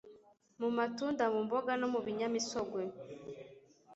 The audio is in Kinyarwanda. mu matunda mu mboga no mu binyamisogwe